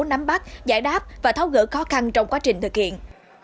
nắm bắt giải đáp và tháo gỡ khó khăn trong quá trình thực hiện